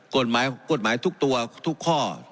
กฎหมายทุกตัวทุกข้อ